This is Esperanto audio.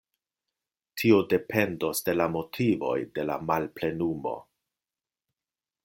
Tio dependos de la motivoj de la malplenumo.